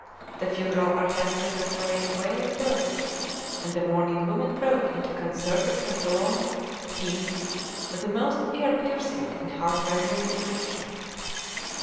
The funeral orchestra then played a wailing dirge, and the mourning women broke into a concerted and prolonged keen, of the most ear piercing and heart rending description.